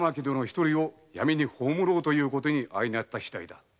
一人を闇に葬ろうということになったのだ。